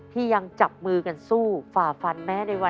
ที่ยังจับมือกันสู้ฝ่าฟันแม้ในวัน